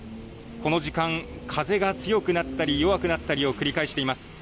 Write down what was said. この時間、風が強くなったり弱くなったりを繰り返しています。